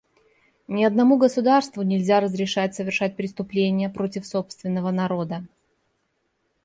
Ни одному государству нельзя разрешать совершать преступления против собственного народа.